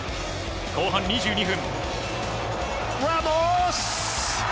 後半２２分。